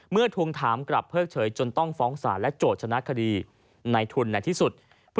ทวงถามกลับเพิกเฉยจนต้องฟ้องศาลและโจทย์ชนะคดีในทุนในที่สุด